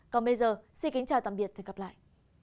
còn bây giờ xin kính chào tạm biệt và hẹn gặp lại